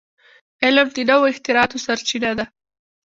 علم د نوو اختراعاتو سرچینه ده.